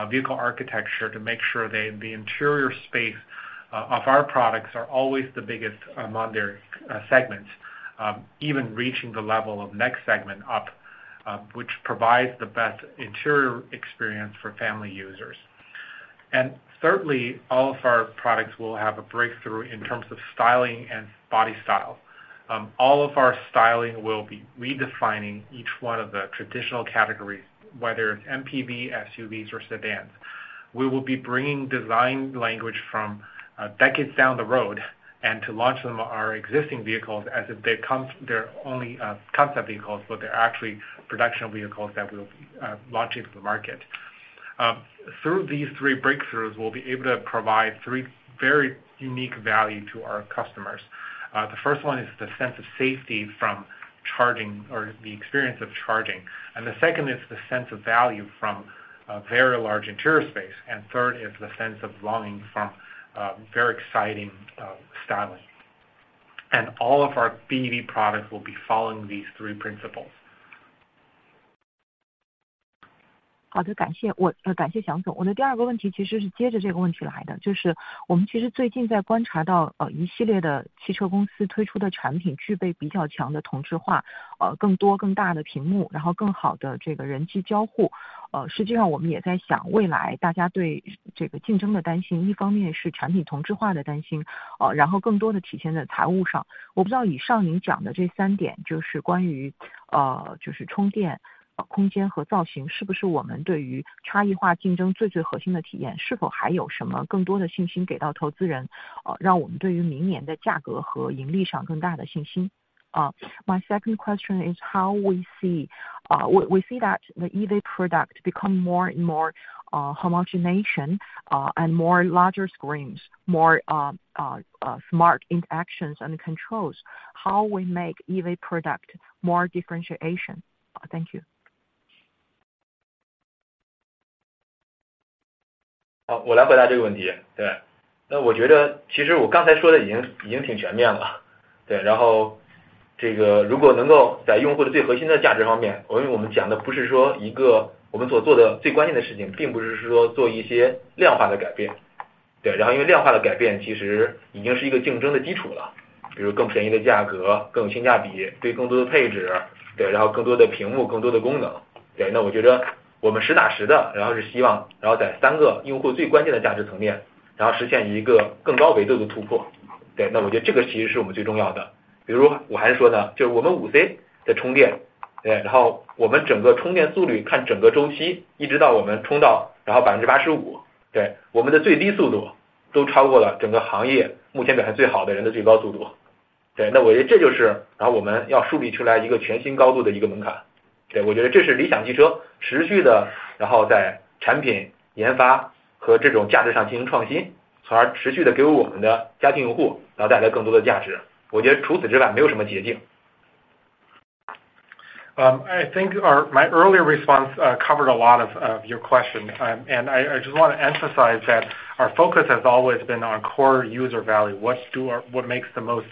vehicle architecture to make sure that the interior space of our products are always the biggest among their segments, even reaching the level of next segment up, which provides the best interior experience for family users. Thirdly, all of our products will have a breakthrough in terms of styling and body style. All of our styling will be redefining each one of the traditional categories, whether it's MPV, SUVs, or sedans. We will be bringing design language from decades down the road, and to launch them our existing vehicles as if they come, they're only concept vehicles, but they're actually production vehicles that we will launch into the market. Through these three breakthroughs, we'll be able to provide three very unique value to our customers. The first one is the sense of safety from charging or the experience of charging, and the second is the sense of value from a very large interior space, and third is the sense of longing from very exciting styling. And all of our BEV products will be following these three principles. 好的，谢谢，谢谢蒋总。我的第二个问题其实是接着这个问题来的，就是我们其实最近在观察到，一系列的汽车公司推出的产品具备比较强的同质化，更多更大的屏幕，然后更好的这个人机交互。实际上我们也在想，未来大家对这个竞争的担心，一方面是产品同质化的担心，哦，然后更多的体现在财务上。我不知道以上您讲的这三点，就是关于充电、空间和造型，是不是我们对于差异化竞争最最核心的体现，是否还有什么更多的信心给到投资者，哦，让我们对于明年的价格和盈利上更大的信心。啊，My second question is how we see, we see that the EV product become more and more homogenization, and more larger screens, more smart interactions and controls, how we make EV product more differentiation? Thank you. I think our, my earlier response covered a lot of your question, and I just want to emphasize that our focus has always been on core user value. What makes the most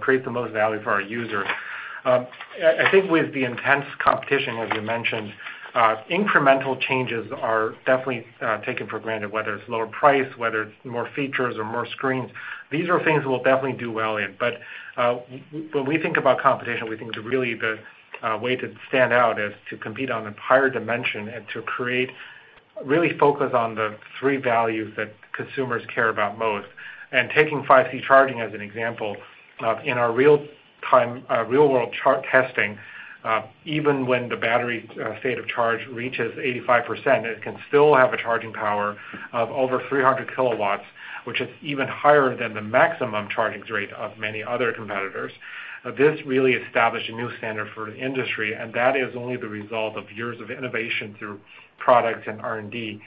creates the most value for our users? I think with the intense competition, as you mentioned, incremental changes are definitely taken for granted, whether it's lower price, whether it's more features or more screens, these are things we'll definitely do well in. But, when we think about competition, we think the real way to stand out is to compete on a higher dimension and to really focus on the three values that consumers care about most. And taking 5C charging as an example, in our real-time, real-world charging testing, even when the battery state of charge reaches 85%, it can still have a charging power of over 300 kW, which is even higher than the maximum charging rate of many other competitors. This really established a new standard for the industry, and that is only the result of years of innovation through products and R&D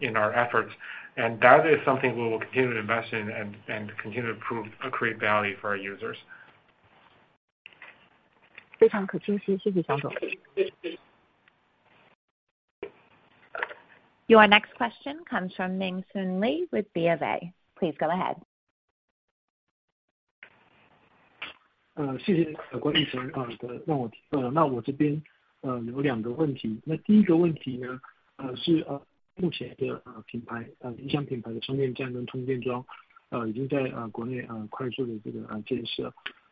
in our efforts, and that is something we will continue to invest in and continue to improve and create value for our users. 非常清晰，谢谢蒋总。Your next question comes from Ming Hsun Lee with BofA. Please go ahead. 谢谢，关于以前的，让我这边有两个问题，那第一个问题是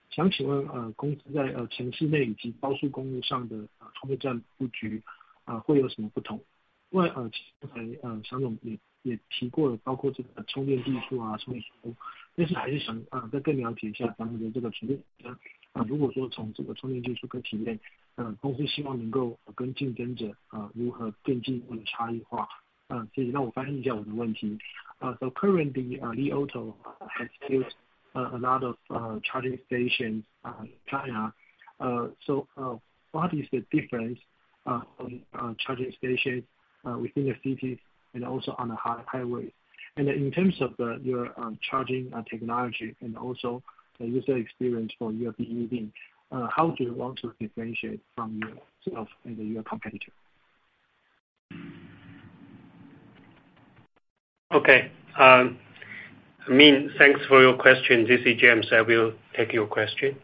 目前的一个品牌的充电站跟充电桩，已经在国内快速建设。请问，公司在城市内以及高速公路上的充电站布局，会有什么不同？另外，刚才肖总也提过了，包括这个充电技术，充电，但是还是想，再了解一下咱们的这个产品。如果说从这个充电技术和体验，公司希望能够跟竞争者，如何奠定我们的差异化。所以让我翻译一下我的问题。So currently, Li Auto has built a lot of charging stations in China. So, what is the difference on charging stations within the cities and also on the highway? And in terms of your charging technology and also the user experience for your BEV, how do you want to differentiate from your competitor? Okay, Min, thanks for your question. This is James. I will take your question.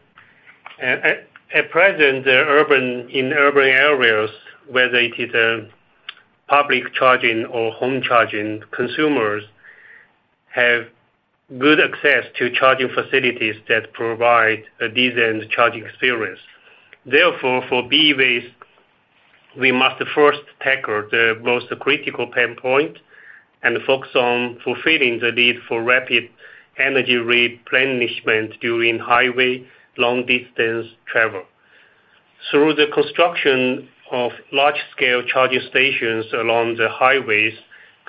At present, in urban areas, whether it is public charging or home charging, consumers have good access to charging facilities that provide a decent charging experience. Therefore, for BEVs, we must first tackle the most critical pain point and focus on fulfilling the need for rapid energy replenishment during highway long distance travel. Through the construction of large-scale charging stations along the highways,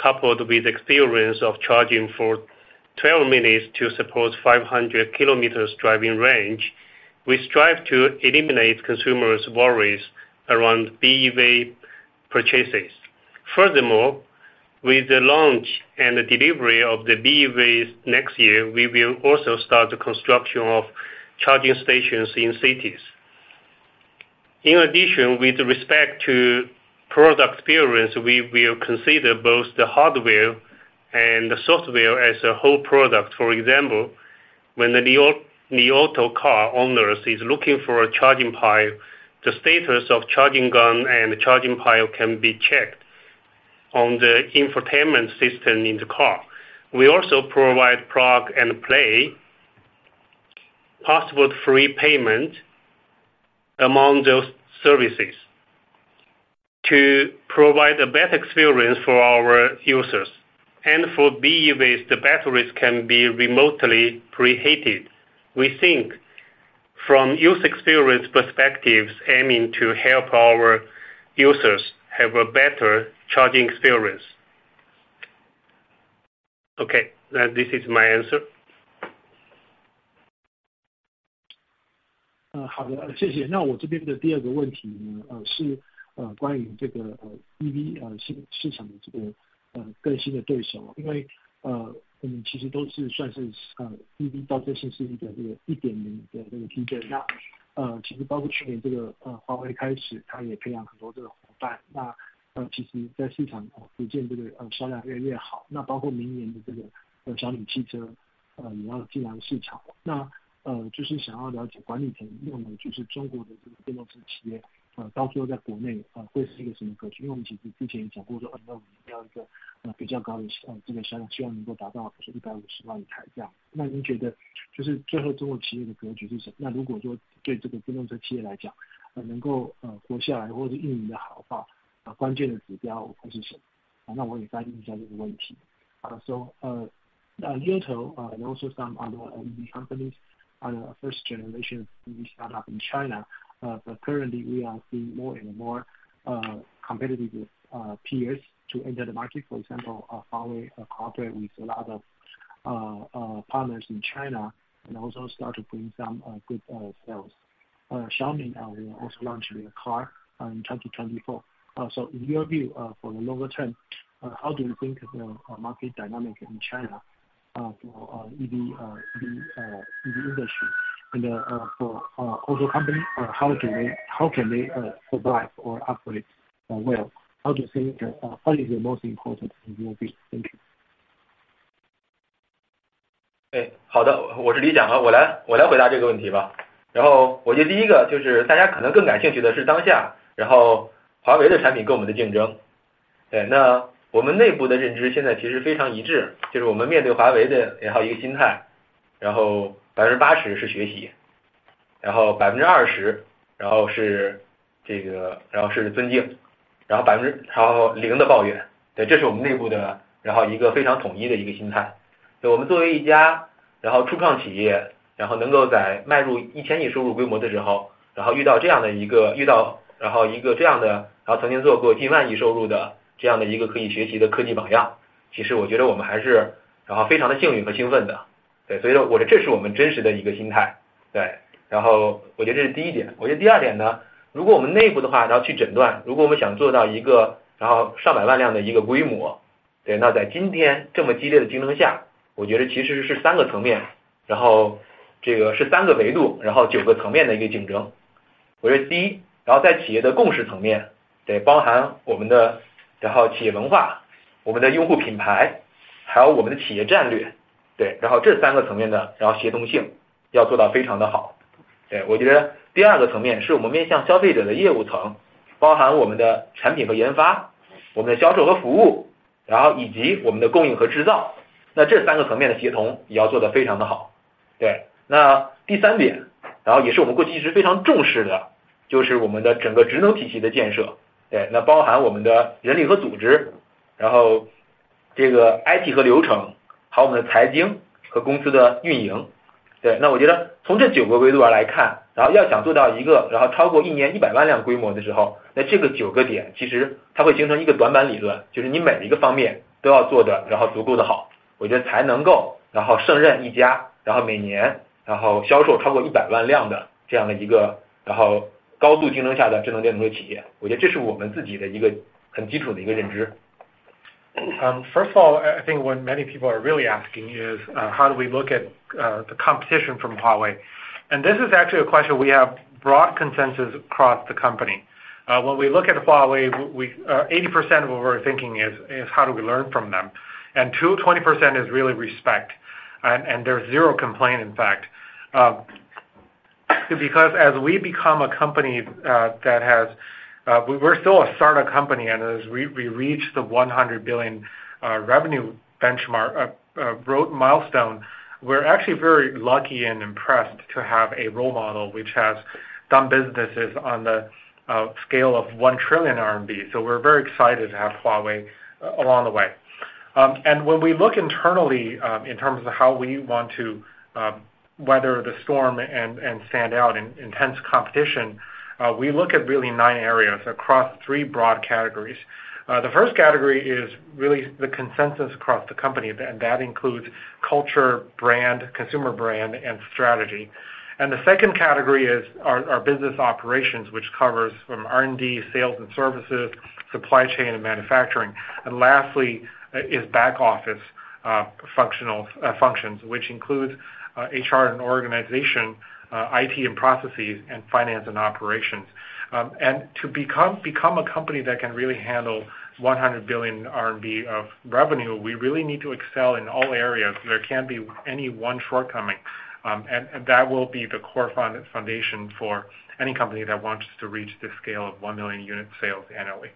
coupled with the experience of charging for 12 minutes to support 500 km driving range, we strive to eliminate consumers' worries around BEV purchases. Furthermore, with the launch and the delivery of the BEVs next year, we will also start the construction of charging stations in cities. In addition, with respect to product experience, we will consider both the hardware and the software as a whole product. For example, when theLi Auto car owners is looking for a charging pile, the status of charging gun and charging pile can be checked on the infotainment system in the car. We also provide plug-and-play, password-free payment among those services to provide a better experience for our users and for BEVs, the batteries can be remotely preheated. We think from user experience perspectives, aiming to help our users have a better charging experience. Okay, this is my answer. 好的，谢谢。那我这边的第二个问题呢，是关于这个EV市场的这个新对手，因为，我们其实都算是EV这些是一个1.0的这个阶段，那，其实包括去年这个华为开始，它也培养很多这个伙伴，那，其实在市场上逐渐这个销量越来越好，那包括明年的这个小米汽车，也要进入市场，那，就是想要了解管理层认为，就是中国的这个电动车企业，到时候在国内，会是一个什么格局。因为我们其实之前也讲过，说，我们要一个比较高的这个销量，希望能够达到比如说150万台这样，那您觉得就是最后中国企业的格局是什么？那如果说对这个电动车企业来讲，能够活下来或者运营得好的话，关键的指标又是什么？那我也再问一下这个问题。So, Li Auto, and also some other EV companies are first generation we start up in China. But currently we are seeing more and more competitive with peers to enter the market. For example, Huawei cooperate with a lot of partners in China and also start to bring some good sales. Xiaomi will also launch a car in 2024. So in your view, for the longer term, how do you think of the market dynamic in China for EV the EV industry? And for auto companies, how do they, how can they survive or operate well? How to think, what is the most important in your view? Thank you. Okay, I am Xiang Li. I will answer this question. I think the first thing that everyone may be more interested in is the current situation, Huawei's products and there's zero complaint, in fact, because as we become a company that has, we were still a startup company, and as we reached the 100 billion revenue benchmark, road milestone, we're actually very lucky and impressed to have a role model, which has done businesses on the scale of 1 trillion RMB. So we're very excited to have Huawei along the way. And when we look internally, in terms of how we want to weather the storm and stand out in intense competition, we look at really 9 areas across three broad categories. The first category is really the consensus across the company, and that includes culture, brand, consumer brand, and strategy. The second category is our business operations, which covers from R&D, sales and services, supply chain, and manufacturing. Lastly, is back-office functions, which includes HR and organization, IT and processes, and finance and operations. To become a company that can really handle 100 billion RMB of revenue, we really need to excel in all areas. There can't be any one shortcoming, and that will be the core foundation for any company that wants to reach this scale of 1 million unit sales annually.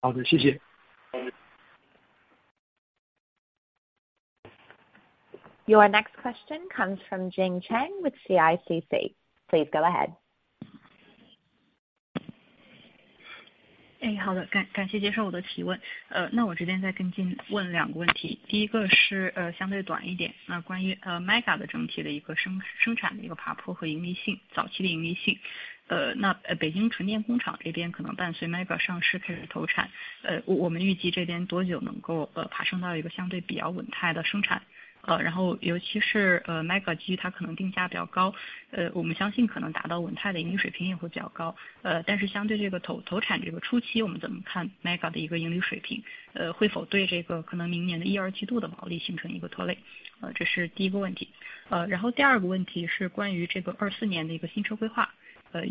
好的，谢谢。Your next question comes from Jane Cheng with CICC. Please go ahead. So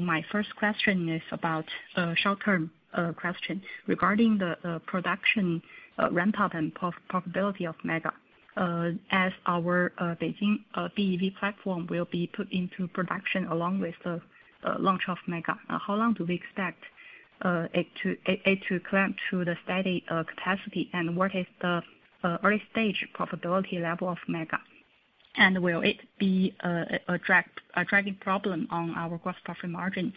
my first question is about, short term, a question regarding the production ramp up and profitability of MEGA. As our Beijing BEV platform will be put into production along with the launch of MEGA. How long do we expect it to climb to the steady capacity? What is the early stage profitability level of MEGA? Will it be a drag, a dragging problem on our gross profit margin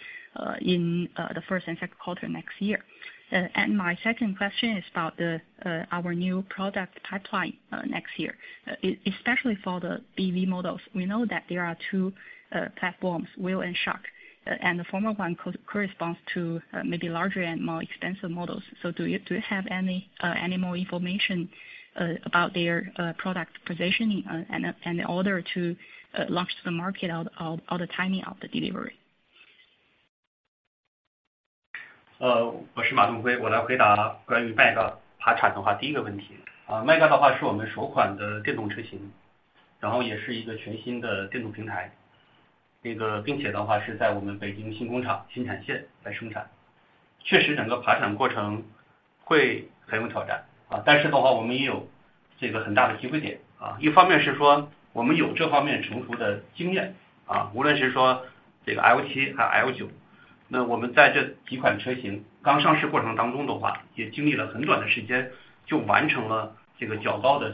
in the first and Q3 next year? My second question is about our new product pipeline next year, especially for the BEV models. We know that there are two platforms, Whale and Shark, and the former one corresponds to maybe larger and more expensive models. So do you have any more information about their product positioning, and in order to launch the market out of all the timing of the delivery? I am Donghui Ma. I will answer the first question about MEGA mass production. MEGA is our first electric vehicle model, and it is also a brand new electric platform, and it is produced on the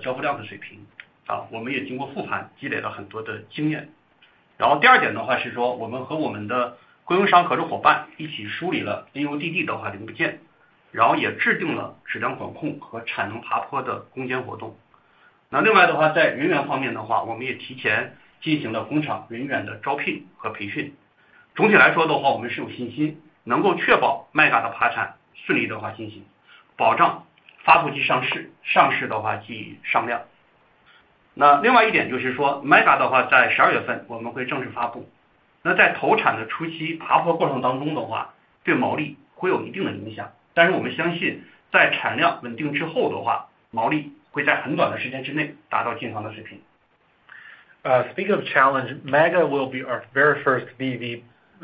new production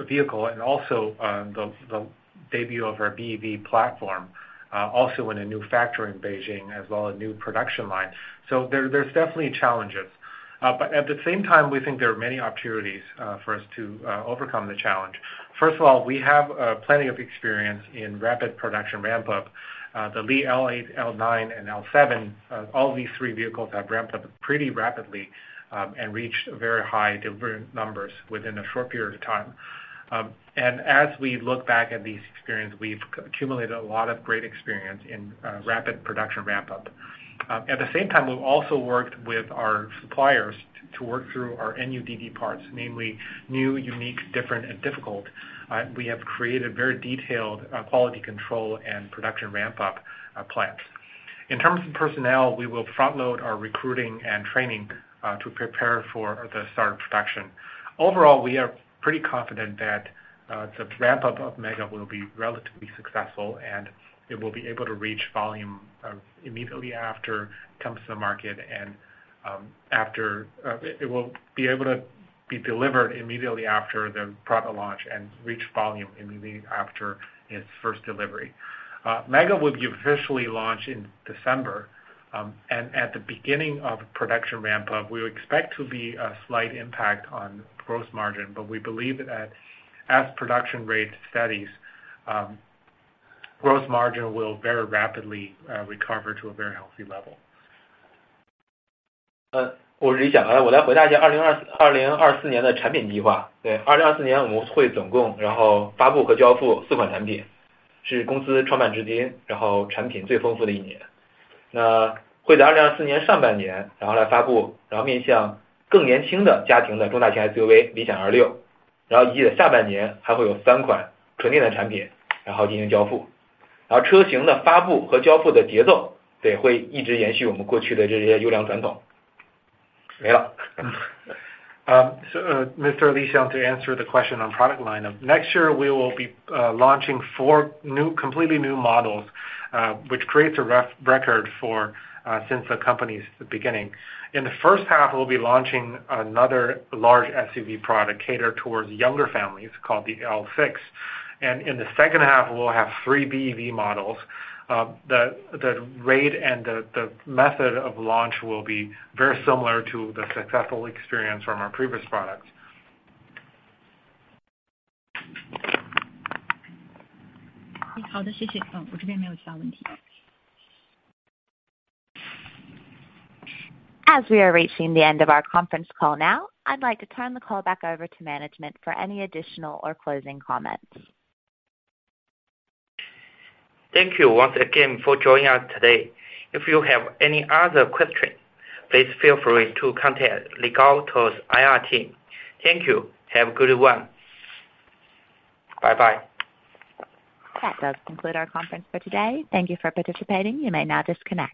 vehicle and also, the debut of our BEV platform, also in a new factory in Beijing as well, a new production line. So there's definitely challenges. But at the same time, we think there are many opportunities for us to overcome the challenge. First of all, we have plenty of experience in rapid production ramp up. The Li L8, L9, and L7 all these three vehicles have ramped up pretty rapidly, and reached very high delivery numbers within a short period of time. And as we look back at these experience, we've accumulated a lot of great experience in rapid production ramp up. At the same time, we've also worked with our suppliers to work through our NUDD parts, namely new, unique, different, and difficult. We have created very detailed quality control and production ramp-up plans. In terms of personnel, we will front load our recruiting and training to prepare for the start of production. Overall, we are pretty confident that the ramp up of MEGA will be relatively successful, and it will be able to reach volume immediately after it comes to the market. It will be able to be delivered immediately after the product launch and reach volume immediately after its first delivery. MEGA will be officially launched in December, and at the beginning of production ramp up, we expect to be a slight impact on gross margin, but we believe that as production rate steadies, gross margin will very rapidly recover to a very healthy level. I am Xiang Li. I will answer the 2024 product plan. Yes, in 2024 we will in total release and deliver four products. It is the most abundant year in products since the company was founded. That will be in the first half of 2024 to release the mid-to-large SUV facing younger families, Li L6, and in the second half there will also be three pure electric products to deliver. The rhythm of the models' release and delivery will continue our past excellent traditions. That's all. So, Mr. Li Xiang, to answer the question on product lineup, next year, we will be launching four new, completely new models, which creates a record for since the company's beginning. In the first half, we'll be launching another large SUV product catered towards younger families, called the L6. And in the second half, we'll have three BEV models. The rate and the method of launch will be very similar to the successful experience from our previous products. 好的，谢谢。我这边没有其他问题。As we are reaching the end of our conference call now, I'd like to turn the call back over to management for any additional or closing comments. Thank you once again for joining us today. If you have any other questions, please feel free to contact Li Auto's IR team. Thank you. Have a good one. Bye-bye. That does conclude our conference for today. Thank you for participating. You may now disconnect.